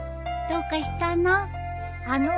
どうかしたの？